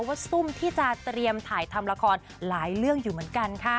ซุ่มที่จะเตรียมถ่ายทำละครหลายเรื่องอยู่เหมือนกันค่ะ